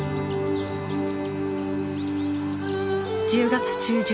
１０月中旬。